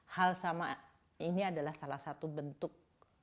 hal sama ini adalah salah satu bentuk